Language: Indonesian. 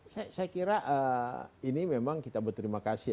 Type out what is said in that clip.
saya kira ini memang kita berterima kasih